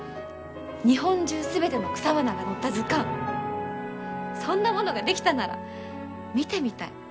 日本中全ての草花が載った図鑑そんなものが出来たなら見てみたい。